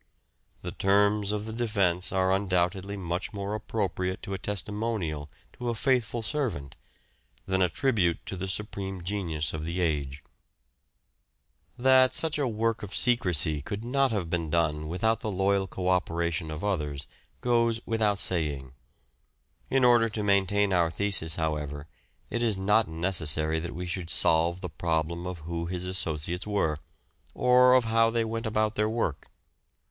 The terms of the defence are undoubtedly much more appropriate to a testimonial to a faithful servant than a tribute to the supreme genius of the age. POSTHUMOUS CONSIDERATION 427 That such a work of secrecy could not have been Loyal done without the loyal co operation of others goes epei without saying. In order to maintain our thesis, however, it is not necessary that we should solve the problem of who his associates were, or of how they went about their work.